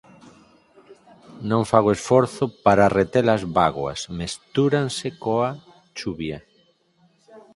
Non fago esforzo para rete-las bágoas, mestúranse coa chuvia.